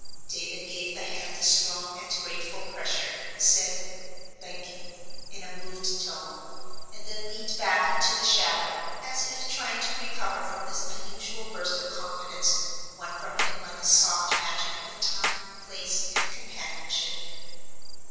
David gave the hand a strong and grateful pressure, said, "Thank you," in a moved tone, and then leaned back into the shadow, as if trying to recover from this unusual burst of confidence, won from him by the soft magic of time, place, and companionship.